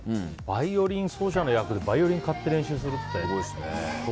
バイオリン奏者の役でバイオリンを買って練習するって。